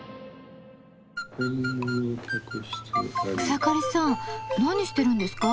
草刈さん何してるんですか？